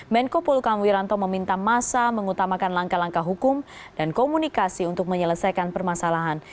menkopol hukam wiranto meminta massa mengutamakan langkah langkah hukum dan komunikasi untuk menyelesaikan permasalahan